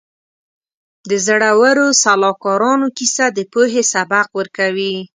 د زړورو سلاکارانو کیسه د پوهې سبق ورکوي.